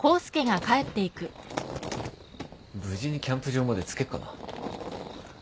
無事にキャンプ場まで着けっかな。